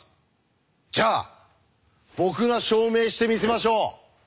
じゃあ僕が証明してみせましょう！